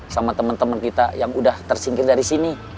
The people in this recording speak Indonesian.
sama temen temen kita yang udah tersingkir dari sini